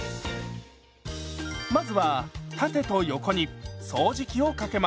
まずは縦と横に掃除機をかけます。